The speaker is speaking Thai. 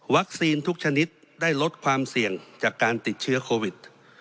ทุกชนิดได้ลดความเสี่ยงจากการติดเชื้อโควิด